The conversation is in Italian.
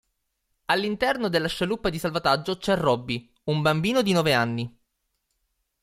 All'interno della scialuppa di salvataggio c'è Robby, un bambino di nove anni.